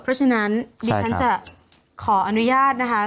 เพราะฉะนั้นดิฉันจะขออนุญาตนะคะ